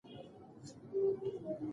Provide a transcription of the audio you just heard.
هغه نشي کولی چې یوازې بهر لاړه شي.